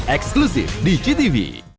eksklusif di ctv